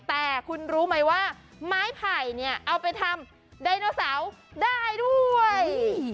แต่คุณรู้ไหมว่าไม้ไผ่เนี่ยเอาไปทำไดโนเสาร์ได้ด้วย